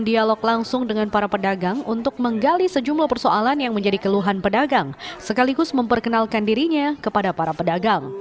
dialog langsung dengan para pedagang untuk menggali sejumlah persoalan yang menjadi keluhan pedagang sekaligus memperkenalkan dirinya kepada para pedagang